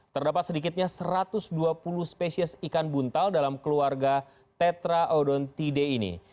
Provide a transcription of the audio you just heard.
terdapat sedikitnya satu ratus dua puluh spesies ikan buntal dalam keluarga tetraodontide ini